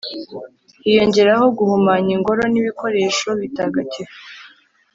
hiyongeraho guhumanya ingoro n'ibikoresho bitagatifu